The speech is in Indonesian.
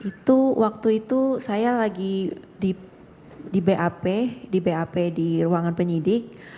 itu waktu itu saya lagi di bap di bap di ruangan penyidik